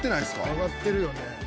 上がってるよね。